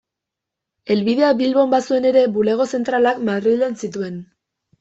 Helbidea Bilbon bazuen ere, bulego zentralak Madrilen zituen.